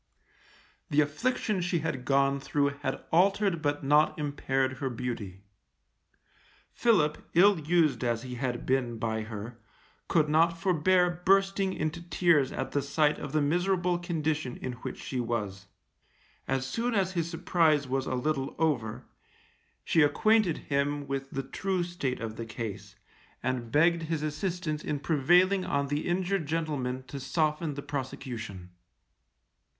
The affliction she had gone through had altered but not impaired her beauty. Philip, ill used as he had been by her, could not forbear bursting into tears at the sight of the miserable condition in which she was. As soon as his surprise was a little over, she acquainted him with the true state of the case, and begged his assistance in prevailing on the injured gentleman to soften the prosecution.